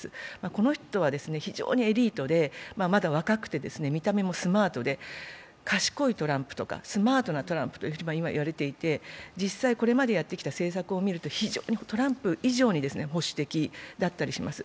この人は非常にエリートでまだ若くて、見た目もスマートで賢いトランプとかスマートなトランプと言われていて、今までやってきた政策は保守的だったりします。